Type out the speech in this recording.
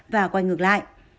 và quay ngược lại